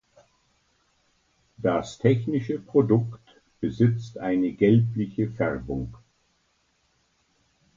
Das technische Produkt besitzt eine gelbliche Färbung.